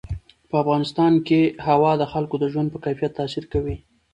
په افغانستان کې هوا د خلکو د ژوند په کیفیت تاثیر کوي.